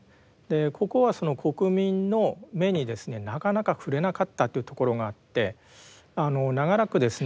ここはその国民の目にですねなかなか触れなかったっていうところがあって長らくですね